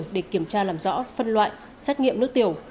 để kiểm tra làm rõ phân loại xét nghiệm nước tiểu